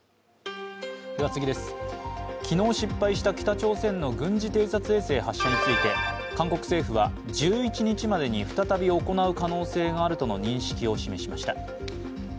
昨日失敗した北朝鮮の軍事偵察衛星発射について韓国政府は１１日までに再び行う可能性があるとの認識を示しました。